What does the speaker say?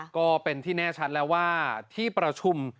ก็เป็นที่แน่ชัดแล้วว่าที่ประชุม